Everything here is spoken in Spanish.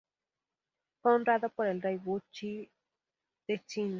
Fue honrado por el Rey Wu Yi de China.